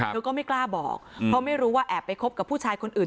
ก็ไม่กล้าบอกเพราะไม่รู้ว่าแอบไปคบกับผู้ชายคนอื่น